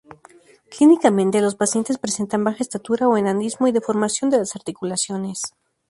Clínicamente los pacientes presentan baja estatura o enanismo y deformación de las articulaciones.